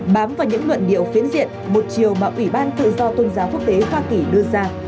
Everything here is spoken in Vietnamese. bám vào những luận điệu phiến diện một chiều mà ủy ban tự do tôn giáo quốc tế hoa kỳ đưa ra